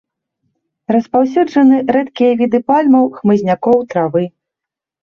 Распаўсюджаны рэдкія віды пальмаў, хмызнякоў, травы.